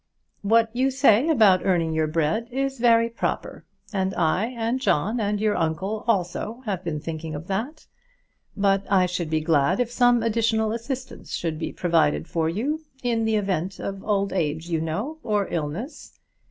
"What you say about earning your bread is very proper; and I and John and your uncle also have been thinking of that. But I should be glad if some additional assistance should be provided for you, in the event of old age, you know, or illness.